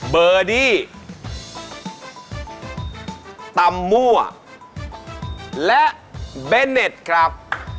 เบอร์ดี้ตำมั่วและเบเน็ตครับ